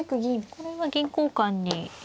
これは銀交換に。